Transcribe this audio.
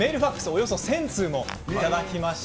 およそ１０００通もいただきました。